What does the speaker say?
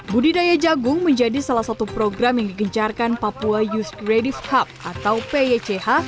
budidaya jagung menjadi salah satu program yang digencarkan papua youth creative hub atau pych